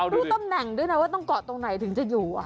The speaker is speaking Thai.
รู้ตำแหน่งด้วยนะว่าต้องเกาะตรงไหนถึงจะอยู่